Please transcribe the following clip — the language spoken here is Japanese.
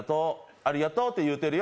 ありがとうって言うてるよ。